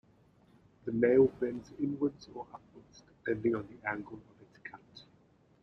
The nail bends inwards or upwards depending on the angle of its cut.